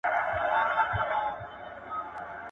ډاکټر ته لاړ شه او خپله معاینه وکړه.